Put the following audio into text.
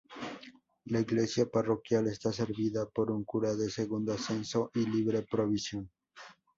La Iglesia parroquial está servida por un cura de segundo ascenso y libre provisión.